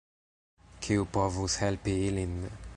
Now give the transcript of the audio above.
Kiu povus helpi ilin?